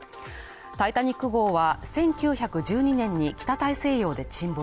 「タイタニック」号は１９１２年に北大西洋で沈没。